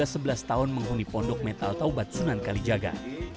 pada saat ini dia sudah sebelas tahun menghuni pondok metal taubat sunan kalijaga